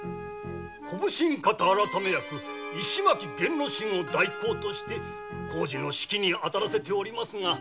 小普請方改役・石巻弦之進を代行として工事の指揮に当たらせておりますが。